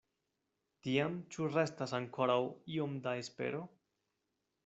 Tiam ĉu restas ankoraŭ iom da espero?